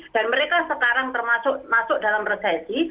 dan mereka sekarang termasuk masuk dalam resesi